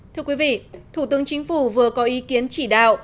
thưa quý vị thủ tướng chính phủ vừa có ý kiến chỉ đạo